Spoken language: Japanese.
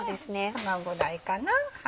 このぐらいかな。